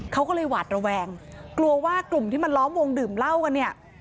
เขาก็เลยหวาดระแวงกลัวว่ากลุ่มที่มันล้อมวงดื่มเหล้ากันเนี่ย